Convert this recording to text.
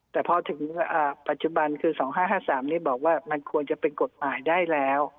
แต่พอถึงอ่าปัจจุบันคือสองห้าห้าสามนี่บอกว่ามันควรจะเป็นกฎหมายได้แล้ว